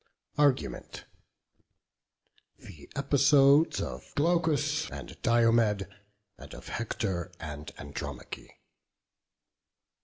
ARGUMENT. THE EPISODES OF GLAUCUS AND DIOMED, AND OF HECTOR AND ANDROMACHE.